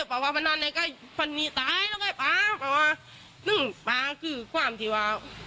ป่าว่าเพราะนั้นในกาลฟันนี่ทายแล้วยังไงป่าต้องว่านึงป่าก็คือความที่ว่า